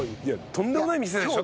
とんでもない店でしょ？